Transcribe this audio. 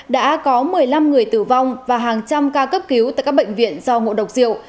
đã có một mươi năm người tử vong và hàng trăm ca cấp cứu tại các bệnh viện do ngộ độc rượu